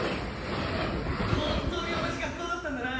本当に同じ学校だったんだな。